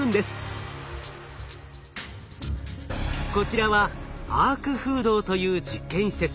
こちらはアーク風洞という実験施設。